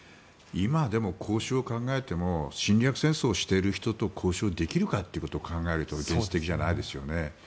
今、でも、交渉を考えても侵略戦争をしている人と交渉できるかということを考えると現実的じゃないですよね。